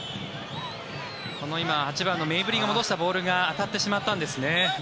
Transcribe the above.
今、８番のメイブリが戻したボールがデュークに当たってしまったんですね。